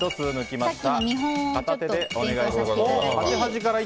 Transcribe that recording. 片手でお願いします。